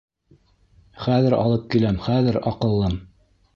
— Хәҙер алып киләм, хәҙер, аҡыллым.